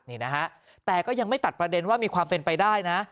นี่นะฮะแต่ก็ยังไม่ตัดประเด็นว่ามีความเป็นไปได้นะ